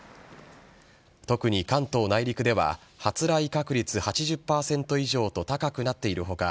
特に関東内陸では発雷確率８０％以上と高くなっている他